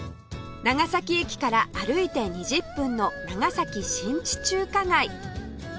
長崎駅から歩いて２０分の長崎新地中華街